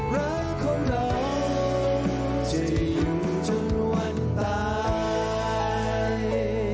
รักของเราจะอยู่จนวันตาย